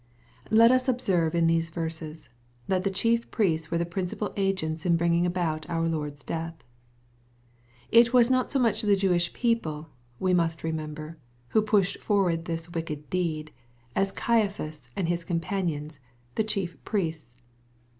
\ Let us observe in these verses, that ,ihe chief priests were the principal agents in bringing aboiU our Lord's death./ It was not so much the Jewish people, we must remem ber, who pushed forward this wicked deed, as Caiaphas and his companions, the chief priests.